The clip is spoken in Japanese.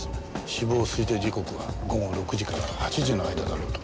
死亡推定時刻は午後６時から８時の間だろうと。